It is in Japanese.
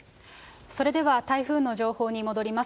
それでは台風の情報に戻ります。